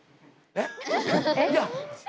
えっ